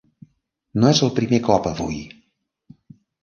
No és el primer cop avui.